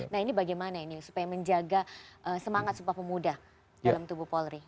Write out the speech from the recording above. nah ini bagaimana ini supaya menjaga semangat sumpah pemuda dalam tubuh polri